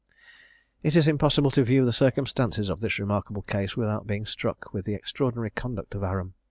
It is impossible to view the circumstances of this remarkable case, without being struck with the extraordinary conduct of Aram.